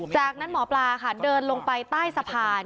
จากนั้นหมอปลาค่ะเดินลงไปใต้สะพาน